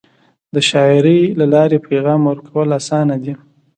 د شاعری له لارې پیغام ورکول اسانه دی.